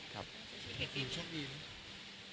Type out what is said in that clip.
แต่คือเหตุผล